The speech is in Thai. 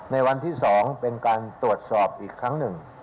ในวันที่๒เป็นการตรวจสอบอีกครั้งหนึ่ง